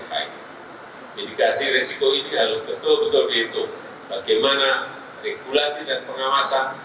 mitigasi risiko ini harus betul betul dihitung bagaimana regulasi dan pengawasan